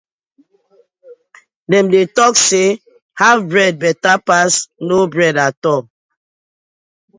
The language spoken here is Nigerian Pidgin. Dem dey tok say haf bread betta pass no bread atol.